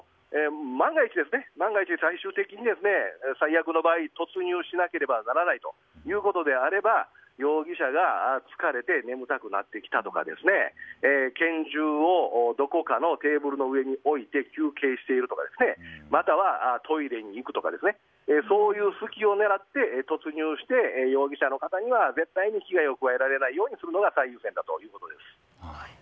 万が一、最終的に最悪の場合突入しなければならないということであれば容疑者が疲れて眠たくなってきたとか拳銃をどこかのテーブルの上に置いて休憩しているとかまたはトイレに行くとかそういう隙を狙って、突入して容疑者の方には絶対に被害を加えられないようにするのが最優先だということです。